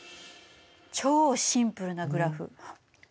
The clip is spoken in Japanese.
超シンプルなグラフ。